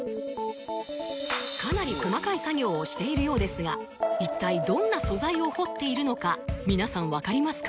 かなり細かい作業をしているようですが一体どんな素材を彫っているのか皆さん分かりますか？